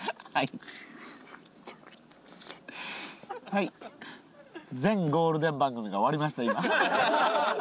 はい全ゴールデン番組が終わりました今。